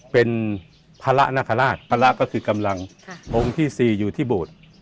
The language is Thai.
เป็นพระนคราชพระก็คือกำลังองค์ที่๔อยู่ที่โบสถ์